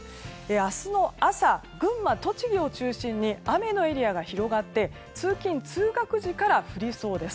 明日の朝、群馬、栃木を中心に雨のエリアが広がって通勤・通学時から降りそうです。